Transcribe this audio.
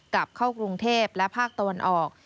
กลับเข้ากรุงเทพและภาคตะวันออก